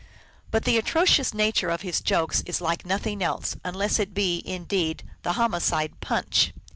But the atrocious nature of his jokes is like nothing else, unless it be indeed the homicide Punch.